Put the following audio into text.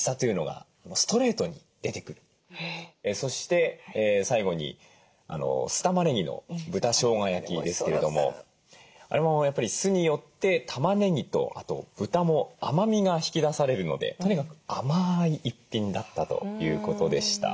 そして最後に酢たまねぎの豚しょうが焼きですけれどもあれもやっぱり酢によってたまねぎとあと豚も甘みが引き出されるのでとにかく甘い一品だったということでした。